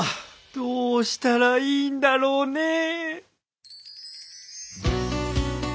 どうしたらいいんだろうねえ？